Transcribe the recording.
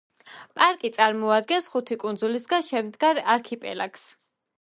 პარკი წარმოადგენს ხუთი კუნძულისაგან შემდგარ არქიპელაგს.